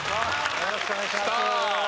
よろしくお願いします